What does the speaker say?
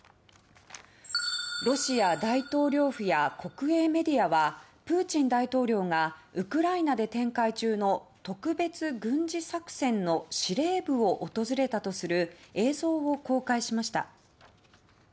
ロシア大統領府や国営メディアはプーチン大統領がウクライナで展開中の特別軍事作戦の司令部を訪れたとする映像を公開しました。